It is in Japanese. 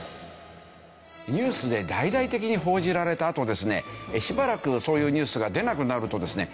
ニュースで大々的に報じられたあとですねしばらくそういうニュースが出なくなるとですね